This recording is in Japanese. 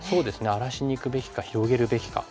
荒らしにいくべきか広げるべきか。